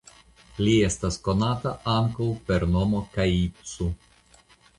Li estas konata ankaŭ per nomo "Kaitsu".